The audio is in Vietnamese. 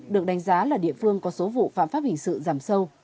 được đánh giá là địa phương có số vụ phạm pháp hình sự giảm sâu